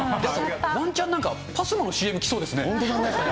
ワンチャン、ＰＡＳＭＯのＣＭ来そうですね。